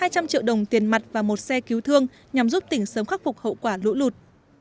hai trăm linh triệu đồng tiền mặt và một xe cứu thương nhằm giúp tỉnh sớm khắc phục hậu quả lũ lụt